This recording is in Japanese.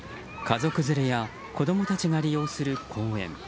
家族連れや子供たちが利用する公園。